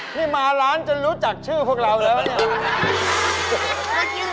นี่มาร้านจนรู้จักชื่อพวกเราแล้ว